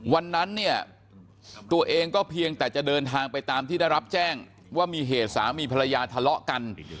วันนั้นเนี่ยตัวเองก็เพียงแต่จะเดินทางไปตามที่ได้รับแจ้งว่ามีเหตุสามีภรรยาทะเลาะกัน